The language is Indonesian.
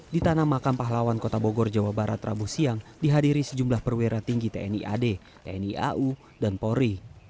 di tanah makam pahlawan kota bogor jawa barat rabu siang dihadiri sejumlah perwira tinggi tni ad tni au dan polri